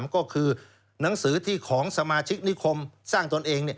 ก็คือหนังสือที่ของสมาชิกนิคมสร้างตนเอง